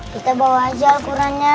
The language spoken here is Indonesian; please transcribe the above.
kita bawa aja al qurannya